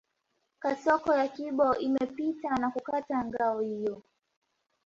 Kasoko ya kibo imepita na kukata ngao hiyo